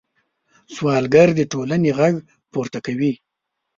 سوالګر د ټولنې غږ پورته کوي